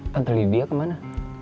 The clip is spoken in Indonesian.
pantai lydia ke mana